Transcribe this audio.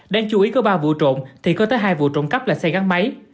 đang chú ý có ba vụ trộn thì có tới hai vụ trộn cấp là xe gắn máy